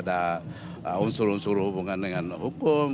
ada unsur unsur hubungan dengan hukum